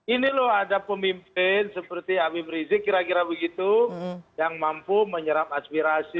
ini loh ada pemimpin seperti habib rizik kira kira begitu yang mampu menyerap aspirasi